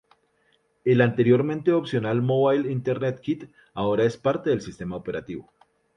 El anteriormente opcional Mobile Internet Kit ahora es parte del sistema operativo.